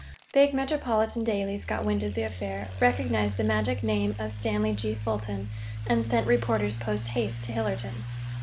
Big metropolitan dailies got wind of the affair, recognized the magic name of Stanley G. Fulton, and sent reporters post haste to Hillerton.